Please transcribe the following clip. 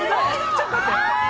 ちょっと待って。